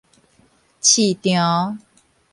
市場